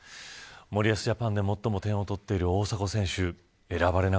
森保ジャパンで最も点を取っている大迫選手